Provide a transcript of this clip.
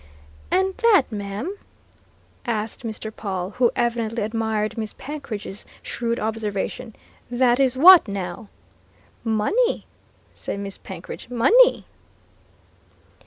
"And that, ma'am?" asked Mr. Pawle, who evidently admired Miss Penkridge's shrewd observations, "that is what, now?" "Money!" said Miss Penkridge. "Money!"